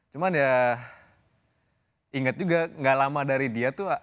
cuman ya inget juga gak lama dari dia tuh